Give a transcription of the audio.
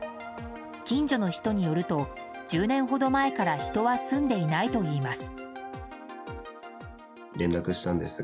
近所の人によると１０年ほど前から人は住んでいないといいます。